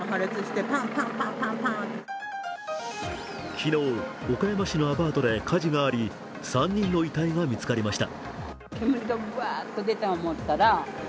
昨日、岡山市のアパートで火事があり３人の遺体が見つかりました。